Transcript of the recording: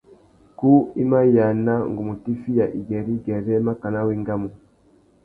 Kú i ma yāna ngu mù tifiya igüêrê-igüêrê makana wa engamú.